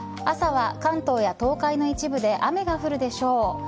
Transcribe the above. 朝は関東や東海の一部で雨が降るでしょう。